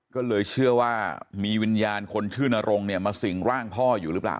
ก็เลยเชื่อว่ามีวิญญาณคนชื่อนรงเนี่ยมาสิ่งร่างพ่ออยู่หรือเปล่า